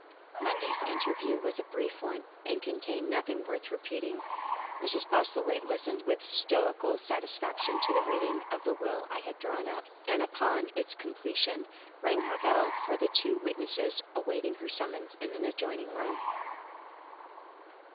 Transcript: Monday's interview was a brief one and contained nothing worth repeating. Mrs. Postlethwaite listened with stoical satisfaction to the reading of the will I had drawn up, and upon its completion rang her bell for the two witnesses awaiting her summons, in an adjoining room.